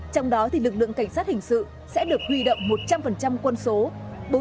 trong đó lực lượng cảnh sát hình sự sẽ được huy động một trăm linh quân số